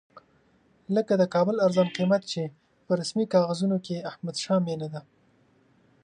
لکه د کابل ارزان قیمت چې په رسمي کاغذونو کې احمدشاه مېنه ده.